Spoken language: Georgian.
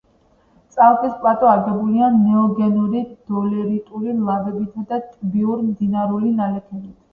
წალკის პლატო აგებულია ნეოგენური დოლერიტული ლავებითა და ტბიურ-მდინარეული ნალექებით.